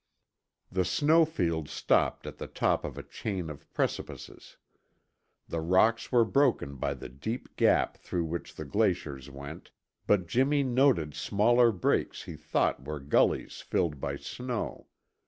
The snow field stopped at the top of a chain of precipices. The rocks were broken by the deep gap through which the glacier went, but Jimmy noted smaller breaks he thought were gullies filled by snow.